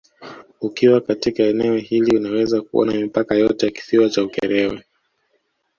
Ukiwa katika eneo hili unaweza kuona mipaka yote ya Kisiwa cha Ukerewe